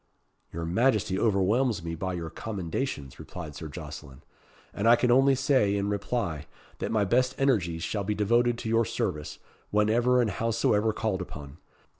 "Your Majesty overwhelms me by your commendations," replied Sir Jocelyn; "and I can only say, in reply, that my best energies shall be devoted to your service, whenever and howsoever called upon.